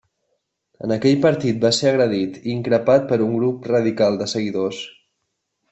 En aquell partit va ser agredit i increpat per un grup radical de seguidors.